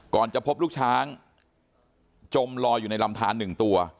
จะพบลูกช้างจมลอยอยู่ในลำทาน๑ตัว